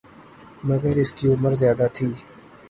مگر اس کی عمر زیادہ تھی